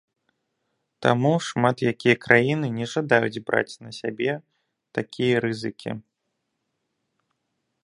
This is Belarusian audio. Таму, шмат якія краіны не жадаюць браць на сябе такія рызыкі.